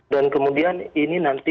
dan kemudian ini nanti